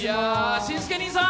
紳助兄さん